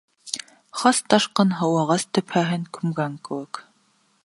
Хас ташҡын һыу ағас төпһәһен күмгән кеүек.